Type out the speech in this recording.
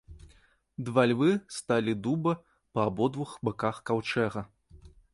Два львы сталі дуба па абодвух баках каўчэга.